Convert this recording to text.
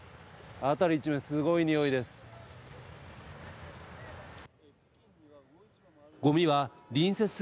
辺り一面、すごい臭いです。